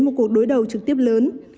một cuộc đối đầu trực tiếp lớn